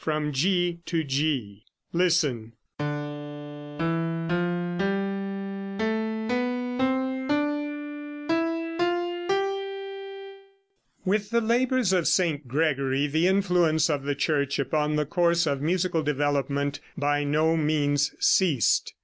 _] With the labors of St. Gregory the influence of the Church upon the course of musical development by no means ceased.